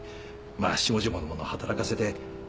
まあ下々の者働かせて。